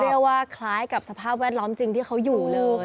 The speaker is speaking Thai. เรียกว่าคล้ายกับสภาพแวดล้อมจริงที่เขาอยู่เลย